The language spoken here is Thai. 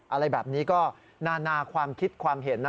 อะไรแบบนี้ก็นานาความคิดความเห็นนะ